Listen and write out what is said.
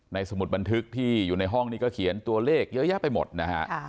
สมุดบันทึกที่อยู่ในห้องนี้ก็เขียนตัวเลขเยอะแยะไปหมดนะฮะ